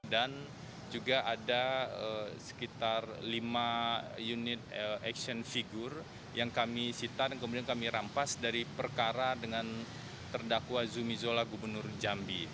dan juga ada sekitar lima unit action figure yang kami sitar dan kemudian kami rampas dari perkara dengan terdakwa zumi zola gubernur jambi